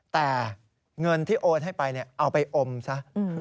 แต่เงินที่โอนให้ไปเอาไปอมซะ